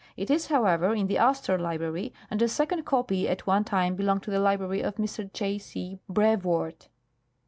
It is, however, in the Astor Library, and a second copy at one time belonged to the library of Mr. J. C. Brevoort.